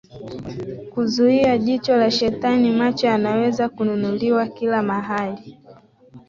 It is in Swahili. kuzuia jicho la shetani Macho yanaweza kununuliwa kila mahali